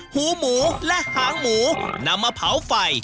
หูหมูและหางหมูนำมาเผาไฟ